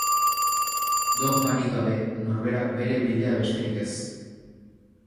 Dogmarik gabe, norberak bere bidea besterik ez.